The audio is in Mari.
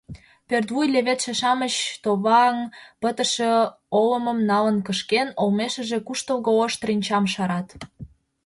Пӧрт вуй леведше-шамыч товаҥ пытыше олымым налын кышкен, олмешыже куштылго ош тренчам шарат.